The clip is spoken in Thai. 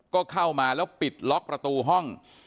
ก็เข้ามาแล้วปิดล็อกประตูห้อง